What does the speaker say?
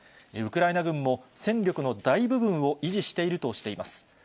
ウクライナ軍も、戦力の大部分を維持しているとしています。